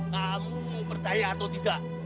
kamu percaya atau tidak